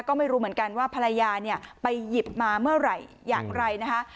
ก็ไม่รู้เหมือนกันว่าภรรยาเนี่ยไปหยิบมาเมื่อไหร่อย่างไรนะคะ